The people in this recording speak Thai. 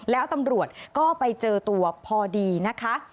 แล้วตำรวจก็ไปเจอตัวพอดีนะคะ